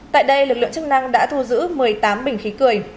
tại đây lực lượng chức năng đã thu giữ một mươi tám bình khí cười